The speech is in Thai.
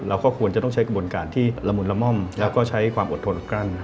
เราก็ควรจะต้องใช้กระบวนการที่ละมุนละม่อมแล้วก็ใช้ความอดทนกลั้น